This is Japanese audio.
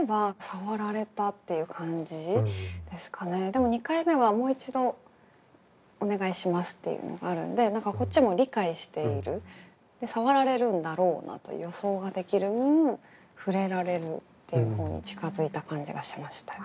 でも２回目は「もう一度お願いします」っていうのがあるんで何かこっちも理解しているでさわられるんだろうなと予想ができる分ふれられるっていう方に近づいた感じがしましたよ。